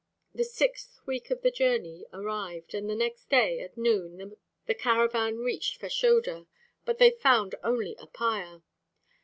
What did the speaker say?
The sixth week of the journey arrived. On the next day at noon the caravan reached Fashoda, but they found only a pyre.